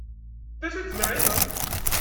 D acu i d-tettmeεεineḍ?